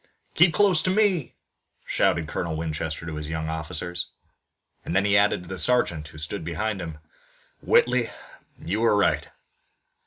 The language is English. "Keep close to me!" shouted Colonel Winchester to his young officers, and then he added to the sergeant, who stood beside him: "Whitley, you were right!"